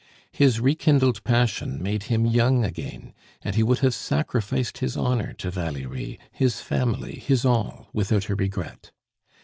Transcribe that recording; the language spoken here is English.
His rekindled passion made him young again, and he would have sacrificed his honor to Valerie, his family, his all, without a regret.